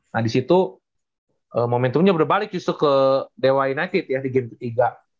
nah disitu momentumnya berbalik justru ke dow united ya di game ketiga